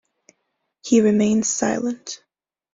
He remains silent.